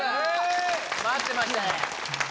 待ってました！